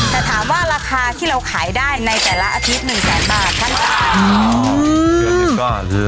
แต่ถามว่าราคาที่เราขายได้ในแต่ละอาทิตย์๑แสนบาทท่านจ๋า